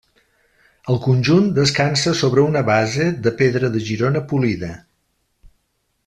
El conjunt descansa sobre una base de pedra de Girona polida.